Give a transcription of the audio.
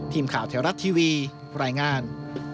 ทีมข่าวแถวรัฐทีวีรายงาน